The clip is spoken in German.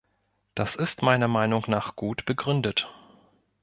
Das ist meiner Meinung nach gut begründet.